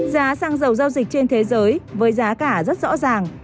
giá xăng dầu giao dịch trên thế giới với giá cả rất rõ ràng